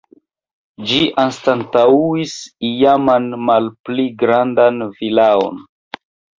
Ĝi anstataŭis iaman malpli grandan vilaon.